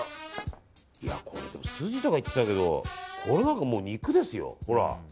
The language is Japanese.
これ、すじとか言ってたけどこれなんかもう肉ですよ。